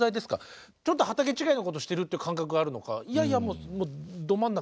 ちょっと畑違いのことしてるっていう感覚があるのかいやいやもうど真ん中